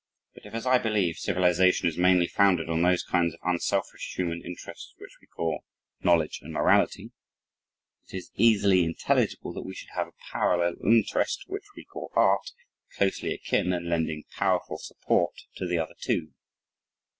But if as I believe civilization is mainly founded on those kinds of unselfish human interests which we call knowledge and morality it is easily intelligible that we should have a parallel interest which we call art closely akin and lending powerful support to the other two.